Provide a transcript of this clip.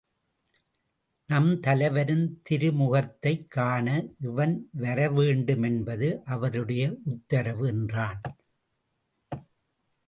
நம் தலைவரின் திருமுகத்தைக் காண இவன் வரவேண்டுமென்பது அவருடைய உத்தரவு என்றான்.